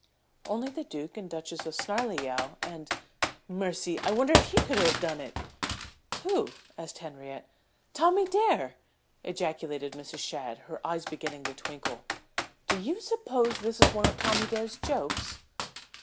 "Only the Duke and Duchess of Snarleyow and mercy! I wonder if he could have done it!" "Who?" asked Henriette. "Tommy Dare!" ejaculated Mrs. Shadd, her eyes beginning to twinkle. "Do you suppose this is one of Tommy Dare's jokes?"